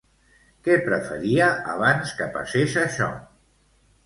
Què preferia abans que passés això?